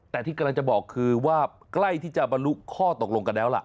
แต่ที่กำลังจะบอกคือว่าใกล้ที่จะบรรลุข้อตกลงกันแล้วล่ะ